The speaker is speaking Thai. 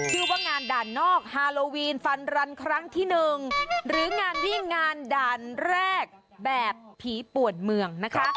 ชื่อว่างานด่านนอกฮาโลวีนฟันรันครั้งที่หนึ่งหรืองานวิ่งงานด่านแรกแบบผีป่วนเมืองนะคะ